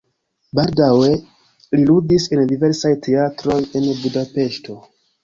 Baldaŭe li ludis en diversaj teatroj en Budapeŝto.